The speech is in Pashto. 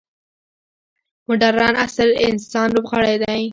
مډرن عصر انسان لوبغاړی دی.